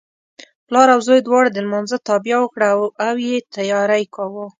پلار او زوی دواړو د لمانځه تابیا وکړه او یې تیاری کاوه.